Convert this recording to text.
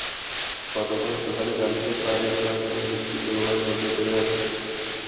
গতকাল সকালে জানতে পারেন, তার লাশ একটি ডোবার মধ্যে পড়ে আছে।